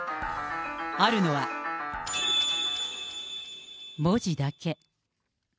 あるのは、文字だけ。